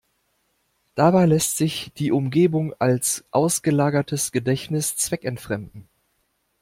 Dabei lässt sich die Umgebung als ausgelagertes Gedächtnis zweckentfremden.